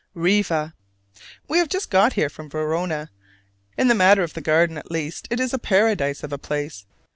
Riva. We have just got here from Verona. In the matter of the garden at least it is a Paradise of a place.